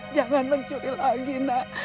jangan mencuri lagi nak